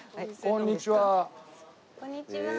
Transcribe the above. こんにちは。